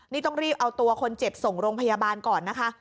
นี่ต้องรีบเอาตัวคนเจ็บส่งโรงพยาบาลก่อนนะคะ